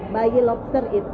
bayi lobster itu